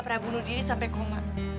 pernah bunuh diri sampe koma